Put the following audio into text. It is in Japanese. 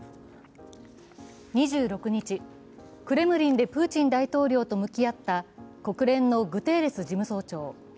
２６日、クレムリンでプーチン大統領と向き合った国連のグテーレス事務総長。